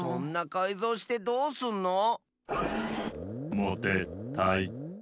もてたい。